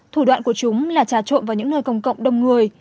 thủ đoạn của chúng là trà trộn vào những nơi công cộng đông người